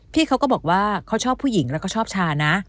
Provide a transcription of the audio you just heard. พี่เขาก็บอกว่าเขาชอบผู้หญิงแล้วก็ชอบชานะ